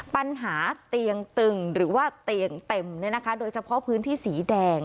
ปัญหาเตียงตึงหรือว่าเตียงเต็มโดยเฉพาะพื้นที่สีแดง